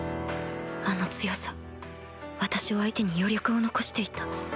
あの強さ私を相手に余力を残していた